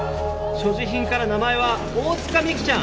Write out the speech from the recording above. ・所持品から名前は大塚みくちゃん